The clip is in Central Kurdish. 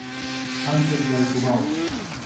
هەندێک دایک و باوک